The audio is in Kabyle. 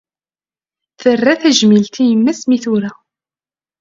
Terra tajmilt i yemma-s mi tura